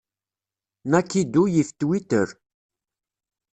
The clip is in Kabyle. Nakido yif Twitter.